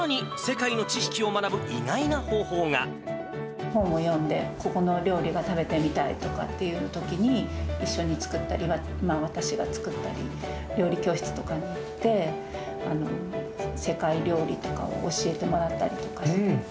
さらに、本を読んで、ここの料理が食べてみたいというときに、一緒に作ったり、私が作ったり、料理教室とかに行って、世界料理とかを教えてもらったりとか。